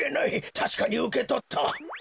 たしかにうけとった。